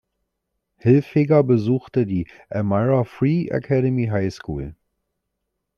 Hilfiger besuchte die "Elmira Free Academy" High School.